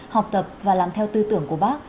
học tập và làm theo tư tưởng của bác